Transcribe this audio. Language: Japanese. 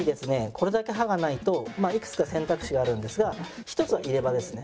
これだけ歯がないといくつか選択肢があるんですが１つは入れ歯ですね。